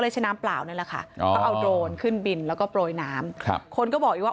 เลยใช้น้ำเปล่านี่ล่ะค่ะขึ้นบินแล้วก็โปรยน้ำคนก็บอกว่า